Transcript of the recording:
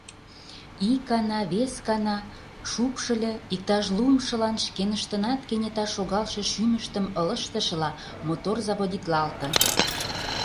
Ик гана, вес гана... шупшыльо, иктаж луымшылан, шкеныштынат кенета шогалше шӱмыштым ылыжтышыла, мотор заводитлалте.